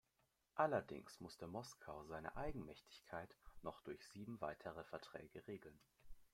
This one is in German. Allerdings musste Moskau seine Eigenmächtigkeiten noch durch sieben weitere Verträge regeln.